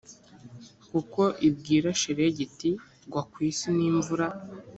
kuko ibwira shelegi iti gwa ku isi n imvura